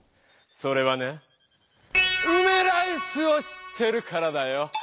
それはね「うめラいス」を知ってるからだよ！